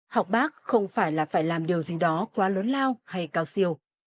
học bác không phải là phải làm điều gì đó quá lớn lao hay cao siêu